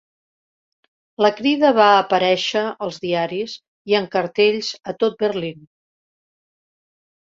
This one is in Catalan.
La crida va aparèixer als diaris i en cartells a tot Berlín.